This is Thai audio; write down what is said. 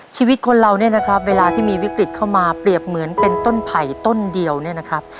ชีวิตคนเราเนี่ยนะครับเวลาที่มีวิกฤตเข้ามาเปรียบเหมือนเป็นต้นไผ่ต้นเดียวเนี่ยนะครับ